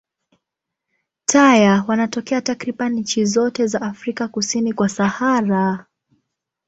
Taya wanatokea takriban nchi zote za Afrika kusini kwa Sahara.